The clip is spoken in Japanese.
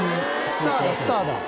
スターだスターだ！